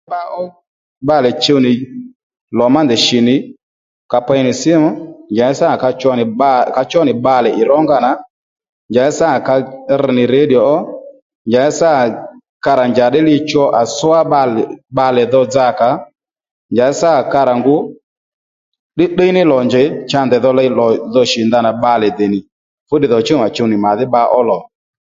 Bba ó bbalè chuw nì lò má ndèy shi nì ka pey nì sǐmù njàddí sâ nà ka cho ka chó nì bbalè í rónga nà njàddí sâ nà ka rr nì radio ó njàddí sâ nà ka rà njàddí li cho à swa bbalè dho bba kǎ nja sâ ka rà ngu tdiytdiy ní lò njèy cha ndèy dho lò mbà ndanà bbalè dè fúnìchú ma chuw nì lo